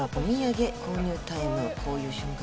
こういう瞬間